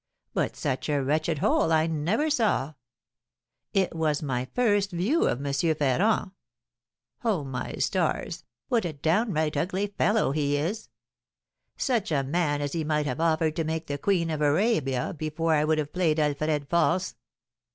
But such a wretched hole I never saw! It was my first view of M. Ferrand. Oh, my stars, what a downright ugly fellow he is! Such a man as he might have offered to make me Queen of Arabia before I would have played Alfred false."